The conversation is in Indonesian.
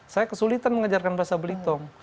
saya kesulitan mengajarkan bahasa belitong